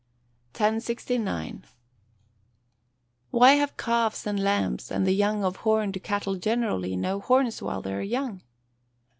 1069. _Why have calves and lambs, and the young of horned cattle generally, no horns while they are young?